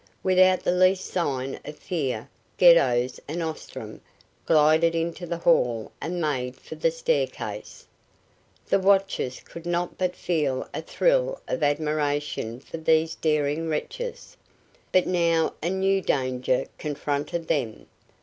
Without the least sign of fear Geddos and Ostrom glided into the hall and made for the staircase. The watchers could not but feel a thrill of admiration for these daring wretches. But now a new danger confronted them.